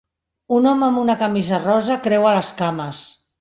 Un home amb una camisa rosa creua les cames.